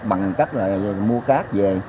bằng cách mua cát về